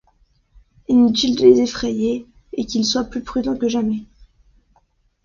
Inutile de les effrayer, et qu’ils soient plus prudents que jamais…